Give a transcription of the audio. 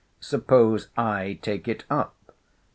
Suppose I take it up?